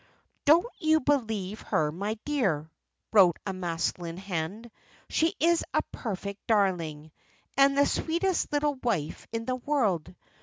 "Don't you believe her, my dear," wrote a masculine hand. "She is a perfect darling, and the sweetest little wife in the world.